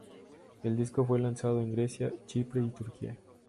El disco fue lanzado en Grecia, Chipre y Turquía.